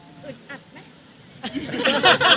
อึดอัดไหม